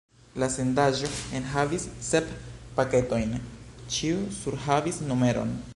La sendaĵo enhavis sep paketojn, ĉiu surhavis numeron.